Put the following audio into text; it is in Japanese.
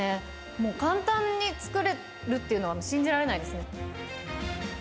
もう簡単に作れるっていうのが信じられないですね。